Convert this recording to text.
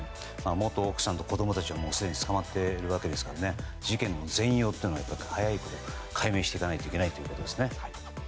元奥さんと子供たちはすでに捕まっているわけですから事件の全容を早いこと解明していかないといけないというですね。